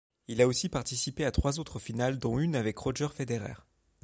Il a aussi participé à trois autres finales dont une avec Roger Federer.